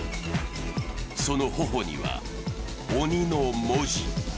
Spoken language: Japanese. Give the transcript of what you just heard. その頬には「鬼」の文字。